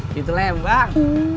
gitu lah ya bang